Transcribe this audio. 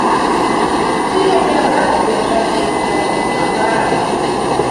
Ды я не абразлівы, жартуе чалавек, няхай.